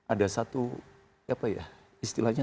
ada satu istilahnya